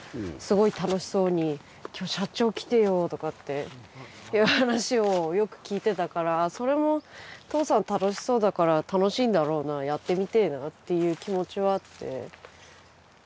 すごい楽しそうに「今日社長来てよ」とかっていう話をよく聞いてたからそれも父さん楽しそうだから楽しいんだろうなやってみてぇなっていう気持ちはあって。